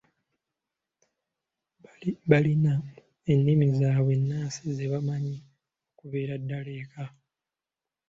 Balina ennimi zaabwe ennansi ze bamanyi okuviira ddala eka.